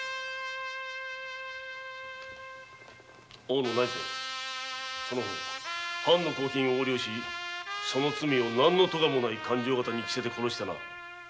大野内膳その方藩の公金を横領しその罪を何の科もない勘定方にきせて殺したな。